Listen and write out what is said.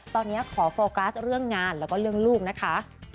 ตอนนี้ขอโฟกัสเรื่องงานแล้วก็เรื่องลูกนะคะ